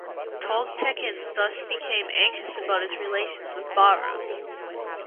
Toghtekin thus became anxious about his relations with Bahram.